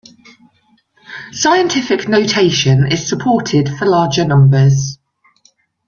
Scientific notation is supported for larger numbers.